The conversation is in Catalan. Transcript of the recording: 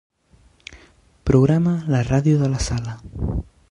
Programa la ràdio de la sala.